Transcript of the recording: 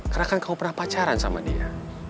karena kan kamu pernah pacaran sama dia